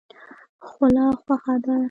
خوله خوښه ده.